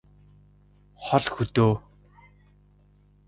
хол хөдөө